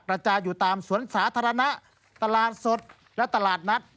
จายอยู่ตามสวนสาธารณะตลาดสดและตลาดนัด